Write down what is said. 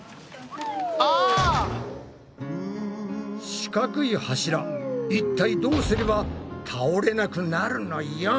四角い柱いったいどうすれば倒れなくなるのよん！